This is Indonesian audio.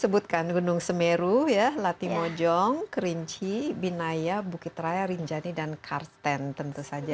sebutkan gunung semeru ya latimojong kerinci binaya bukit raya rinjani dan karten tentu saja